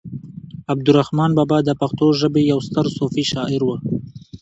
عبد الرحمان بابا د پښتو ژبې يو ستر صوفي شاعر و